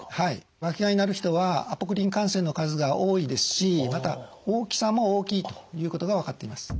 わきがになる人はアポクリン汗腺の数が多いですしまた大きさも大きいということが分かっています。